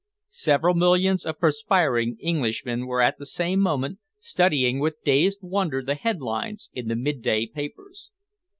Several millions of perspiring Englishmen were at the same moment studying with dazed wonder the headlines in the midday papers.